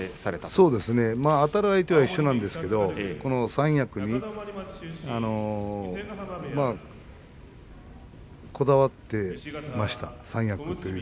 そうですねあたる相手は一緒なんですが三役というのはこだわっていました。